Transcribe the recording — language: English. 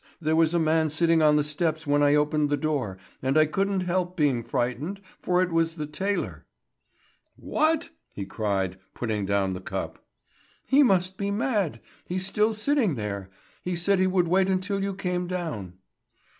There was a man sitting on the steps when I opened the door; and I couldn't help being frightened, for it was the tailor." "What?" he cried, putting down the cup. "He must be mad. He's still sitting there. He said he would wait until you came down."